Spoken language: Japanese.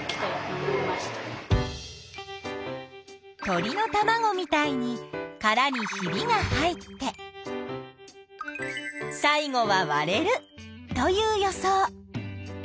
鳥のたまごみたいにカラにひびが入って最後はわれるという予想。